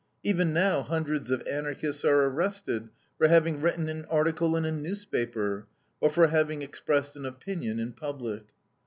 Even now, hundreds of Anarchists are arrested for having written an article in a newspaper, or for having expressed an opinion in public.